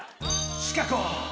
シカゴー！